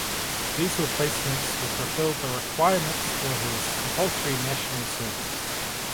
These were placements to fulfil the requirements for his compulsory national service.